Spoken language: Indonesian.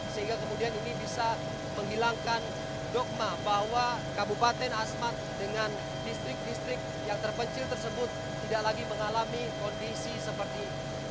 sehingga kemudian ini bisa menghilangkan dogma bahwa kabupaten asmat dengan distrik distrik yang terpencil tersebut tidak lagi mengalami kondisi seperti ini